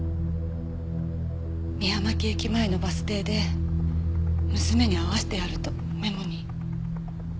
三山木駅前のバス停で娘に会わせてやるとメモに。